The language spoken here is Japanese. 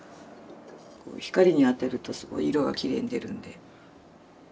光に当てるとすごい色がきれいに出るんで。